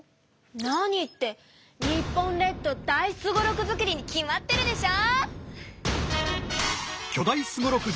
何って日本列島大すごろく作りに決まってるでしょ！